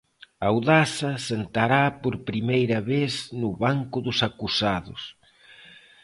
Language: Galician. Audasa sentará por primeira vez no banco dos acusados.